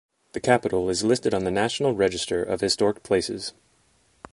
The Capitol is listed on the National Register of Historic Places.